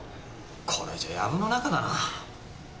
これじゃ藪の中だな。